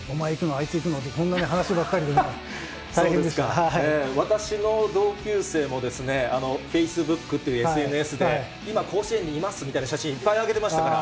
あいつ行くの？って、こんな話ばっかりでね、私の同級生もですね、フェイスブックというＳＮＳで、今、甲子園にいますみたいな写真、いっぱい上げてましたから。